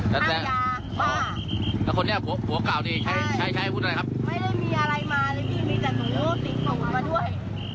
ไม่ได้มีอะไรมาเลยพี่มีแต่ส่วนโลกสิ่งของผมมาด้วย